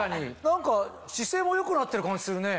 何か姿勢も良くなってる感じするね。